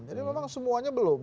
jadi memang semuanya belum